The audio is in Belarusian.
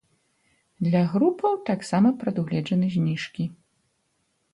Для групаў таксама прадугледжаны зніжкі.